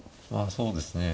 そうですね。